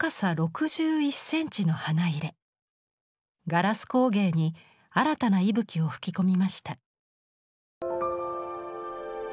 ガラス工芸に新たな息吹を吹き込みました。